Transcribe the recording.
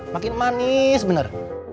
makin manis bener